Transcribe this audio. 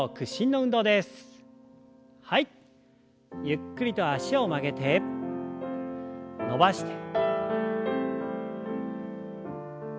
ゆっくりと脚を曲げて伸ばして。